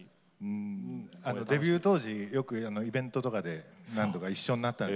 デビュー当時よくイベントとかで何度か一緒になったんです。